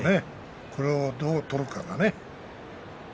これをどう取るかだね。